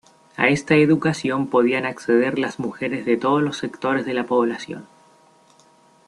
A esta educación podían acceder las mujeres de todos los sectores de la población.